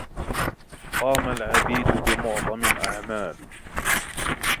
قام العبيد بمعظم الأعمال.